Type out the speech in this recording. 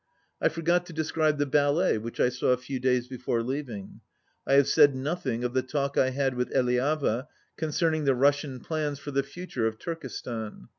I forgot to describe the ballet which I saw a few days before leaving. I have said nothing of the talk I had with Eliava concerning the Russian plans for the future of Turkestan.